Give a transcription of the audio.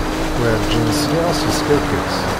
Werǧin sliɣ-as yeskerkes.